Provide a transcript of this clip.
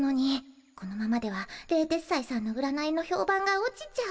このままでは冷徹斎さんの占いのひょうばんが落ちちゃう。